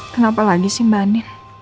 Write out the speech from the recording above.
kenapa lagi sih mbak anin